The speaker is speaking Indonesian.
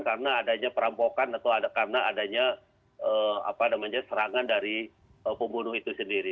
karena adanya perampokan atau karena adanya serangan dari pembunuh itu sendiri